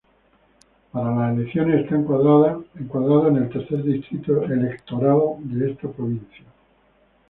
Para las elecciones está encuadrado en el Tercer Distrito Electoral de esta provincia.